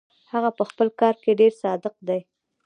هغه پهخپل کار کې ډېر صادق دی.